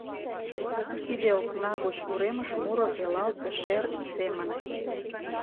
Тиде окна гоч уремыш муро велалте шер семын.